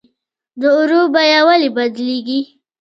د اوړو بیه ولې بدلیږي؟